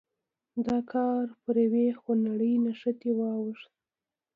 دا کار پر یوې خونړۍ نښتې واوښت.